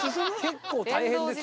結構大変ですよ。